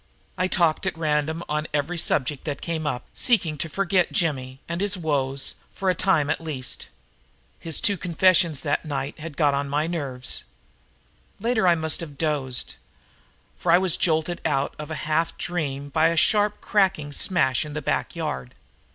I talked at random on every subject that came up, seeking to forget Jimmy and his woes, for a time at least. His two confessions that night had got on my nerves. Later on I must have dozed, for I was jolted out of a half dream by a sharp cracking smash in the back yard.